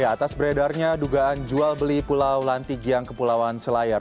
atas beredarnya dugaan jual beli pulau lantigiang kepulauan selayar